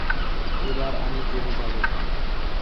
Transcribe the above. এবার আমি জেলে যাব।